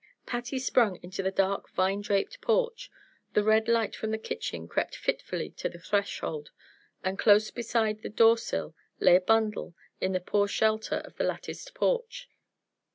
Patty sprung into the dark, vine draped porch; the red light from the kitchen crept fitfully to the threshold, and close beside the door sill, lay a bundle in the poor shelter of the latticed porch.